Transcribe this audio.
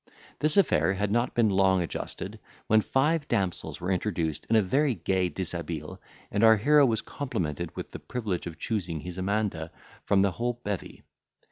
This affair had not been long adjusted, when five damsels were introduced in a very gay dishabille, and our hero was complimented with the privilege of choosing his Amanda from the whole bevy.